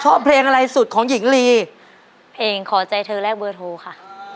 ชอบเพลงอะไรสุดของหญิงลีเพลงขอใจเธอแรกเบอร์โทรค่ะ